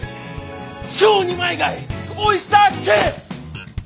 超二枚貝オイスターＫ！